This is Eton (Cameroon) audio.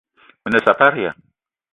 Me ne saparia !